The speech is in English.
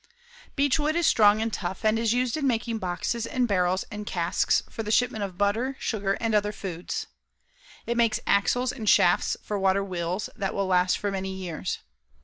Beech wood is strong and tough and is used in making boxes and barrels and casks for the shipment of butter, sugar and other foods. It makes axles and shafts for water wheels that will last for many years.